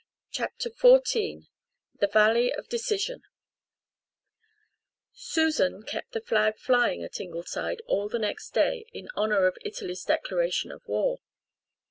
CHAPTER XIV THE VALLEY OF DECISION Susan kept the flag flying at Ingleside all the next day, in honour of Italy's declaration of war.